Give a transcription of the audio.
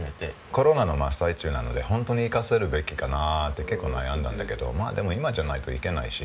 コロナの真っ最中なのでホントに行かせるべきかなって結構悩んだんだけどでも今じゃないと行けないし。